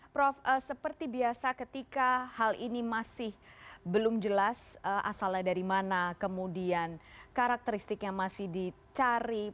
prof seperti biasa ketika hal ini masih belum jelas asalnya dari mana kemudian karakteristiknya masih dicari